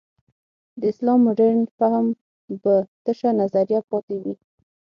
د اسلام مډرن فهم به تشه نظریه پاتې وي.